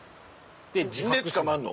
んで捕まんの？